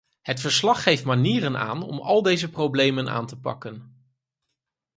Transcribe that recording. Het verslag geeft manieren aan om al deze problemen aan te pakken.